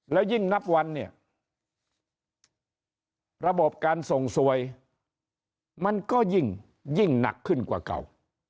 แล้วยิ่งนับวันเนี่ยระบบการส่งสวยมันก็ยิ่งหนักขึ้นกว่าเก่า